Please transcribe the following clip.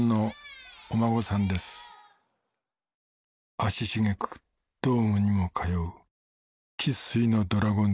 足しげくドームにも通う生っ粋の「ドラゴンズ」